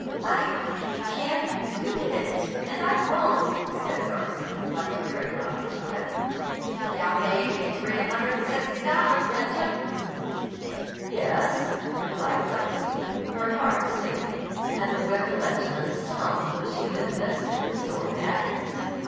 "I c c c can't do it and I won't!" said Darcy, like a very naughty child. "Yah paid me three hundr'n sixty dollars, didn't yah?" "Yes," replied Darcy, her heart sinking, at the recollection of the sum which she had invested in assorted agonies.